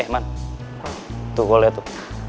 eh man tuh gue liat tuh